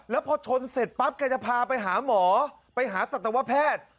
แล้วพอชนเสร็จปั๊บแกจะพาไปหาหมอไปหาสัตวแพทย์